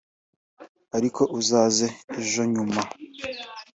ariko uzaza ejo nyuma